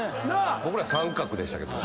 僕ら三角でしたけどね。